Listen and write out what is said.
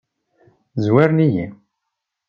Zwaren-iyi.